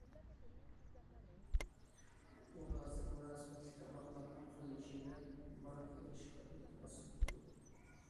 ئۇ ھازىر مۇناسىۋەتلىك تارماقلارنىڭ قوللىشى بىلەن ماركا ئېلىشقا ئىلتىماس سۇنۇپتۇ.